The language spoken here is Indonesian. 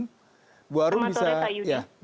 selamat sore pak yudi